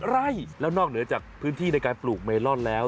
ไร่แล้วนอกเหนือจากพื้นที่ในการปลูกเมลอนแล้ว